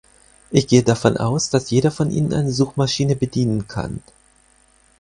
Ich gehe davon aus, dass jeder von Ihnen eine Suchmaschine bedienen kann.